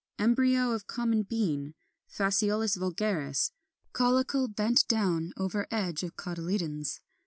Embryo of Common Bean (Phaseolus vulgaris): caulicle bent down over edge of cotyledons.